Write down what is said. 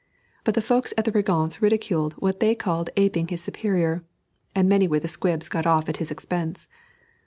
But the folks at the Régence ridiculed what they called aping his superior, and many were the squibs got off at his expense.